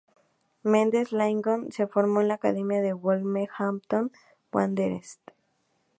Mendez-Laing se formó en la Academia del Wolverhampton Wanderers.